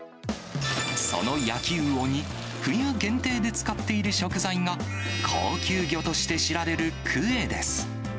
その焼うおに、冬限定で使っている食材が、高級魚として知られるクエです。